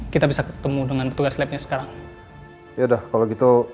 kita bisa ketemu dengan petugas lepnya sekarang